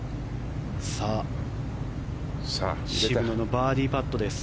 渋野のバーディーパットです。